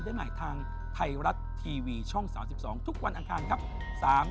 ที่ไทยรัฐทีวีช่อง๓๒ทุกวันอ่างคาร